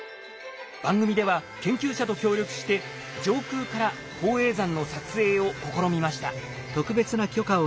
番組では研究者と協力して上空から宝永山の撮影を試みました。